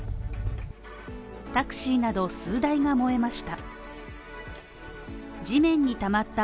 タクシーなど数台が燃えました。